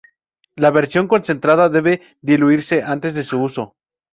La versión concentrada debe diluirse antes de su uso.